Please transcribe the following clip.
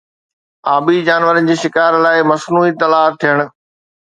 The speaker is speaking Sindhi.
آبي جانورن جي شڪار لاءِ مصنوعي تلاءُ ٿيڻ